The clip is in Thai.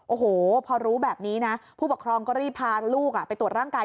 โอ้โหพอรู้แบบนี้นะผู้ปกครองก็รีบพาลูกไปตรวจร่างกาย